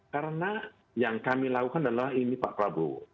karena yang kami lakukan adalah ini pak prabowo